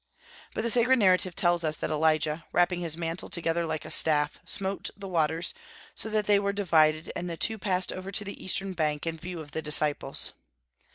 But the sacred narrative tells us that Elijah, wrapping his mantle together like a staff, smote the waters, so that they were divided, and the two passed over to the eastern bank, in view of the disciples.